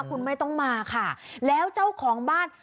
คุณไม่ต้องมาค่ะแล้วเจ้าของบ้าน